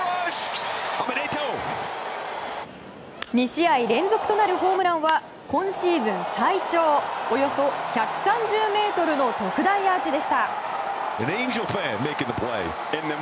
２試合連続となるホームランは今シーズン最長およそ１３０ｍの特大アーチでした。